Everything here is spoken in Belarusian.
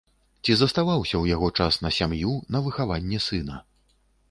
Ці заставаўся ў яго час на сям'ю, на выхаванне сына?